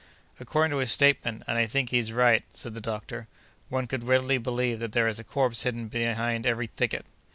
"According to his statement, and I think he's right," said the doctor, "one could readily believe that there is a corpse hidden behind every thicket."